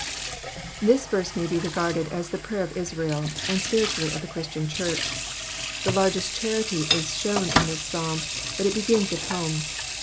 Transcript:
This verse may be regarded as the prayer of Israel, and spiritually of the Christian church. The largest charity is shown in this Psalm, but it begins at home.